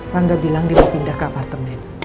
rangga bilang dia mau pindah ke apartemen